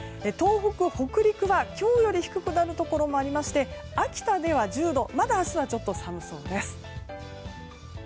東北、北陸は今日より低くなるところもありまして秋田では１０度まだ明日はちょっと寒そうです。